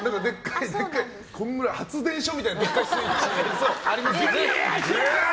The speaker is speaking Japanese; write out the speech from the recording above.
このくらい、発電所みたいなでっかいスイッチがありますよね。